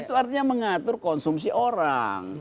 itu artinya mengatur konsumsi orang